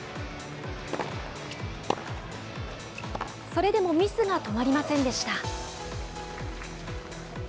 それでもミスが止まりませんでした。